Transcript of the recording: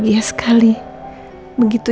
iya bener kata reina